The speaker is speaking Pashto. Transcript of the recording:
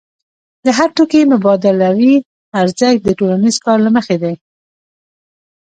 د هر توکي مبادلوي ارزښت د ټولنیز کار له مخې دی.